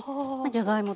じゃがいも？